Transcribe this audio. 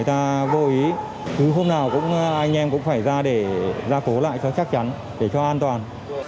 cứ hôm nào anh em cũng phải ra để ra cố lại cho chắc chắn để cho an toàn